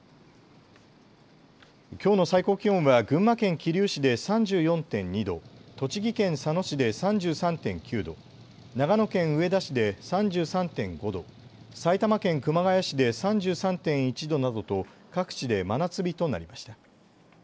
きょうの最高気温は群馬県桐生市で３４．２度、栃木県佐野市で３３．９度、長野県上田市で３３．５度、埼玉県熊谷市で３３．１度などと各地で真夏日となりました。